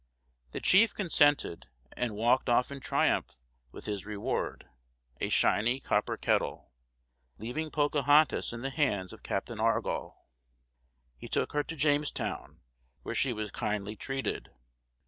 The chief consented, and walked off in triumph with his reward, a shiny copper kettle, leaving Pocahontas in the hands of Captain Argall. He took her to Jamestown, where she was kindly treated.